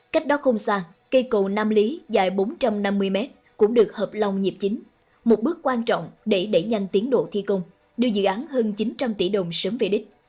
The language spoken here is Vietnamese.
cách đó không xa cây cầu nam lý dài bốn trăm năm mươi mét cũng được hợp lòng nhịp chính một bước quan trọng để đẩy nhanh tiến độ thi công đưa dự án hơn chín trăm linh tỷ đồng sớm về đích